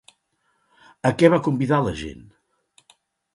A què va convidar la gent?